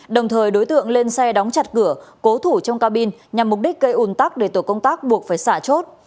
đồng thời đối tượng lên xe đóng chặt cửa cố thủ trong cabin nhằm mục đích gây ủn tắc để tổ công tác buộc phải xả chốt